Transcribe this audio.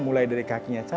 mulai dari kakinya sendiri